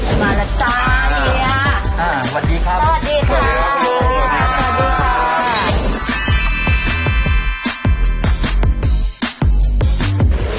อ่าสวัสดีครับ